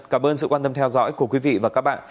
cảm ơn sự quan tâm theo dõi của quý vị và các bạn